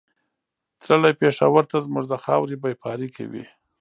تللی پېښور ته زموږ د خاورې بېپاري کوي